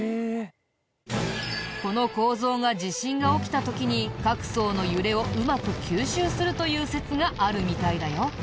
この構造が地震が起きた時に各層の揺れをうまく吸収するという説があるみたいだよ。